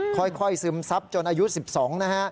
ค่อยซึมซับจนอายุ๑๒นะฮะ